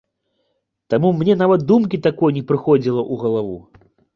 Таму мне нават думкі такой не прыходзіла ў галаву.